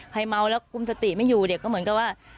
เมาแล้วกุมสติไม่อยู่เด็กก็เหมือนกับว่า